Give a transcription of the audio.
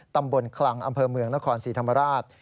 ตำบลคลังอำเภอเมืองนครศรีธรรมราช